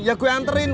ya gua anterin